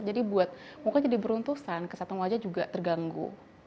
jadi buat muka jadi beruntusan kesatu wajah juga terganggu